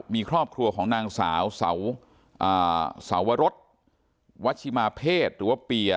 มีครอบครัวของนางสาวสาวรสวัชิมาเพศหรือว่าเปีย